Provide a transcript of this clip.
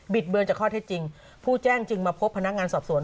เบือนจากข้อเท็จจริงผู้แจ้งจึงมาพบพนักงานสอบสวน